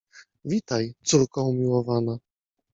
Witaj, córko umiłowana!